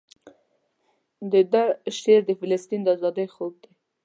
دده شعر د فلسطین د ازادۍ خوب دی.